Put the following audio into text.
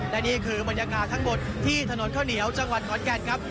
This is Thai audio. และนี่คือบรรยากาศทั้งหมดที่ถนนข้าวเหนียวจังหวัดขอนแก่นครับ